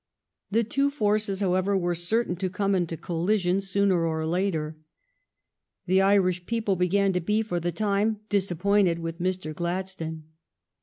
The two forces, how ever, were certain to come into collision sooner or later. The Irish people began to be, for the time, disappointed with Mr. Gladstone.